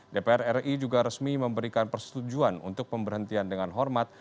dpr ri juga resmi memberikan persetujuan untuk pemberhentian dengan hormat